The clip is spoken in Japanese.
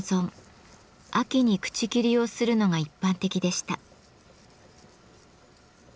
秋に口切をするのが一般的でした。